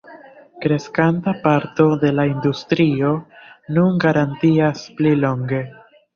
Kreskanta parto de la industrio nun garantias pli longe.